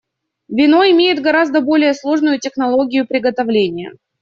Вино имеет гораздо более сложную технологию приготовления.